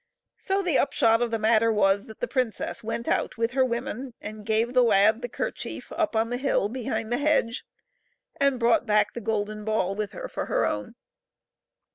So the upshot of the matter was that the princess went out with her women, and gave the lad the kerchief up on the hill behind the hedge, and brought back the golden ball with her for her own.